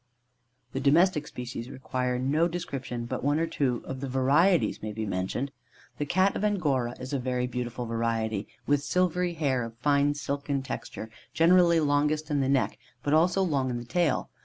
The domestic species require no description, but one or two of the varieties may be mentioned: The Cat of Angora, is a very beautiful variety, with silvery hair of fine silken texture, generally longest on the neck, but also long on the tail.